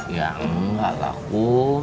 ya enggak lah ku